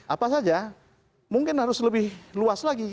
apa saja mungkin harus lebih luas lagi